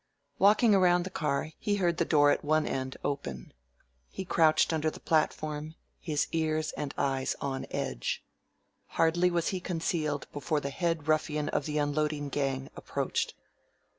Walking around the car, he heard the door at one end open. He crouched under the platform, his ears and eyes on edge. Hardly was he concealed before the head ruffian of the unloading gang approached.